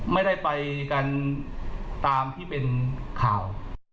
ไม่ได้ไปกันตามที่เป็นข่าว